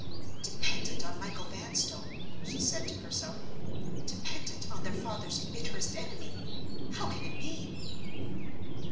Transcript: "Dependent on Michael Vanstone!" she said to herself. "Dependent on their father's bitterest enemy? How can it be?"